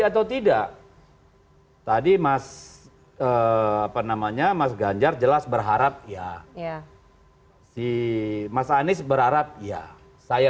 atau tidak tadi mas apa namanya mas ganjar jelas berharap ya ya si mas anies berharap ya saya